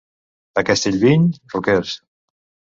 A Castellviny, roquers.